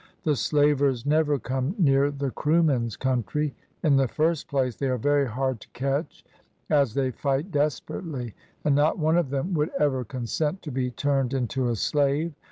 The slavers never come near the Kroomen's country. In the first place they are very hard to catch, as they fight desperately, and not one of them would ever consent to be turned into a slave.